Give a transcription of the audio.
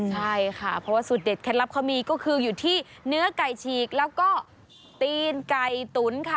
ใช่ค่ะเพราะว่าสูตรเด็ดเคล็ดลับเขามีก็คืออยู่ที่เนื้อไก่ฉีกแล้วก็ตีนไก่ตุ๋นค่ะ